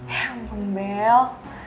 ya ampun bel